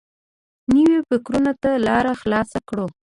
نویو فکرونو ته لاره خلاصه کړو.